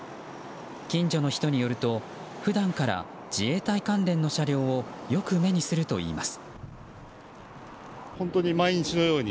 近所の人によると普段から自衛隊関連の車両をよく目にするといいます。